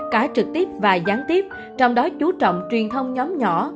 cả trực tiếp và gián tiếp trong đó chú trọng truyền thông nhóm nhỏ